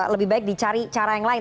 lebih baik dicari cara yang lain